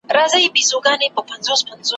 ګړی وروسته غویی پروت اندام اندام وو ,